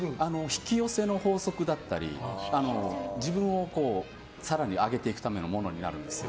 引き寄せの法則だったり自分を更に上げていくためのものになるんですよ。